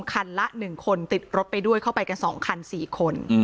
คันละ๑คนติดรถไปด้วยเข้าไปกัน๒คัน๔คน